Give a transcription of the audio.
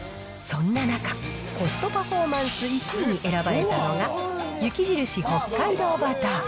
そんな中、コストパフォーマンス１位に選ばれたのが、雪印北海道バター。